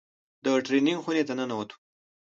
د ټرېننگ خونې ته ننوتو.